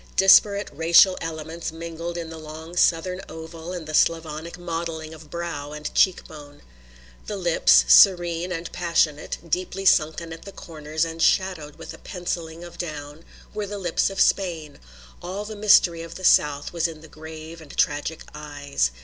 Disparate racial elements mingled in the long Southern oval and the Slavonic modelling of brow and cheek bone. The lips, serene and passionate, deeply sunken at the corners and shadowed with a pencilling of down, were the lips of Spain; all the mystery of the South was in the grave and tragic eyes.